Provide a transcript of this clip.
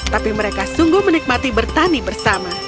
tapi mereka sungguh menikmati bertani bersama